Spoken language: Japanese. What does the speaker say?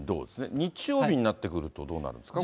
日曜日になってくるとどうなるんですか、これは。